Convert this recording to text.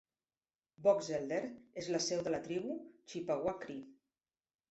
Box Elder és la seu de la tribu Chippewa-Cree.